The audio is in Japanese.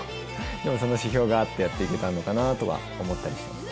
でもその指標があってやって行けたのかなとは思ったりしてます。